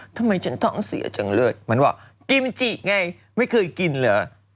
ทำไมฉันท้องเสียจังเลยมันบอกกิมจิไงไม่เคยกินเหรอ